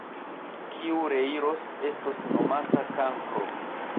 Kiu reiros, estos nomata kankro!